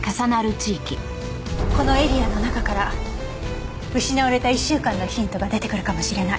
このエリアの中から失われた１週間のヒントが出てくるかもしれない。